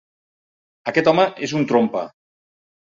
Aquest home és un trompa.